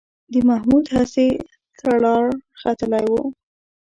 د محمود هسې ټرار ختلی و